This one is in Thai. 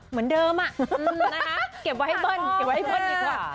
เหมือนเดิมอ่ะเก็บไว้ให้เบิ้ลอีกกว่า